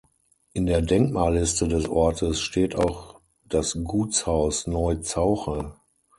In der Denkmalliste des Ortes steht auch das Gutshaus Neu Zauche.